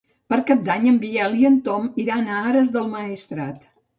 Per Cap d'Any en Biel i en Tom iran a Ares del Maestrat.